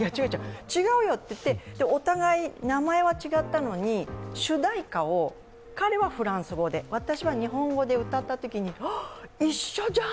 違うよっていって、お互い名前は違ったのに、主題歌を彼はフランス語で私は日本語で歌ったときに、一緒じゃん！